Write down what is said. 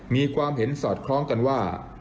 มีความเห็นสอดคล้องกันว่า